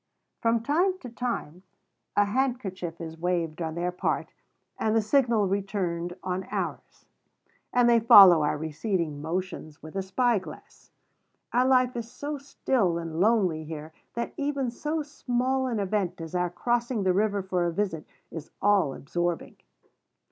From time to time a handkerchief is waved on their part, and the signal returned on ours; and they follow our receding motions with a spyglass. Our life is so still and lonely here, that even so small an event as our crossing the river for a visit is all absorbing.